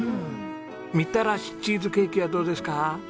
みたらしチーズケーキはどうですか？